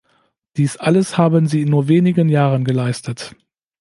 Dies alles haben sie in nur wenigen Jahren geleistet.